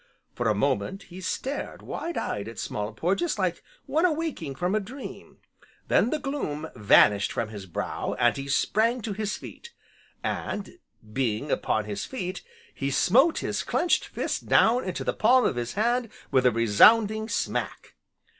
For a moment he stared wide eyed at Small Porges like one awaking from a dream, then the gloom vanished from his brow, and he sprang to his feet. And, being upon his feet, he smote his clenched fist down into the palm of his hand with a resounding smack.